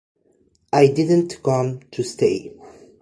I didn't come to stay".